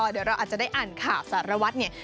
เดี๋ยวเราอาจจะได้อ่านข่าวสารวัตรเนี่ย